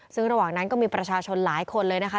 ซึ่งระหว่างนั้นก็มีประชาชนหลายคนเลยนะคะ